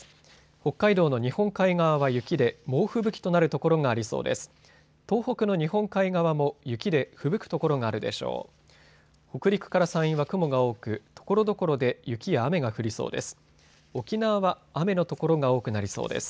北海道の日本海側は雪で猛吹雪となる所がありそうです。